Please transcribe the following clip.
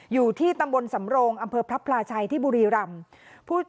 อยู่ที่ตำบลสำโรงอำเภอพระพลาชัยที่บุรีรำ